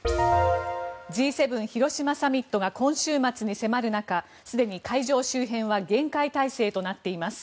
Ｇ７広島サミットが今週末に迫る中すでに会場周辺は厳戒態勢となっています。